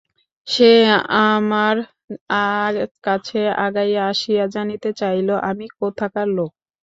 সে আমার কাছে আগাইয়া আসিয়া জানিতে চাহিল, আমি কোথাকার লোক।